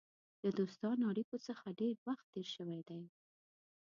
د دوستانه اړېکو څخه ډېر وخت تېر شوی دی.